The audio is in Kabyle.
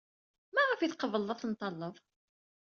Maɣef ay tqebled ad ten-talled?